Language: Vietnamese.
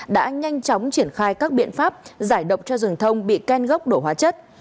đã nhanh chóng triển khai các biện pháp giải độc cho rừng thông bị khen gốc đổ hóa chất